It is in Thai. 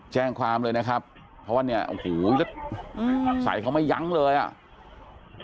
แจ้งความเลยนะครับเพราะว่าเนี่ยโอ้โหแล้วใส่เขาไม่ยั้งเลยอ่ะ